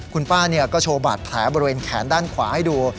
คุณป้าก็โชว์บาดแผลบริเวณแขนด้านขวาให้ดู